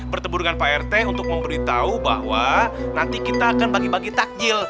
bertemu dengan pak rt untuk memberitahu bahwa nanti kita akan bagi bagi takjil